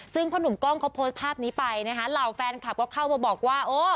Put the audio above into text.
ซึ่งพ่อหนุ่มกล้องเขาโพสต์ภาพนี้ไปนะคะเหล่าแฟนคลับก็เข้ามาบอกว่าโอ้